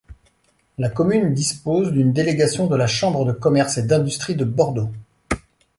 La commune dispose d'une délégation de la Chambre de commerce et d'industrie de Bordeaux.